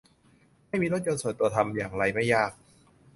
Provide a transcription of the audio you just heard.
ไม่มีรถยนต์ส่วนตัวทำอย่างไรไม่ยาก